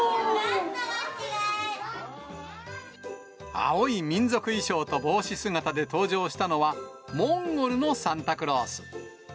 青い民族衣装と帽子姿で登場したのは、モンゴルのサンタクロース。